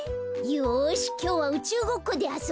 よしきょうはうちゅうごっこであそぼう。